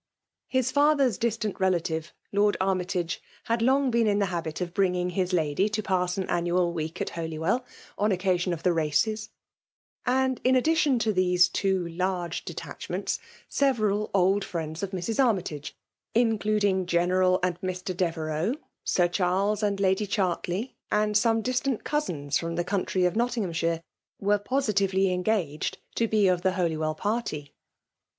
His father's distant relative, Lord Armytage, had long been in the habit of bringing his lady to pass an annual week at HolyweUL on occasion of the races; and in addition to these two large detachments, se veral old friends of Mrs. Armytage, includaig Ctencral and Mr. Devercux, Sir Charles and Lady Chartley> and some distant cousins from the county of Notts, were positively cmgaged to be of the HolyweU party.